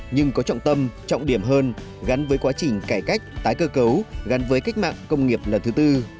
nhưng có trọng tâm trọng điểm hơn gắn với quá trình cải cách tái cơ cấu gắn với cách mạng công nghiệp lần thứ tư